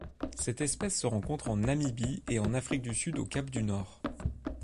Cette espèce se rencontre en Namibie et en Afrique du Sud au Cap-du-Nord.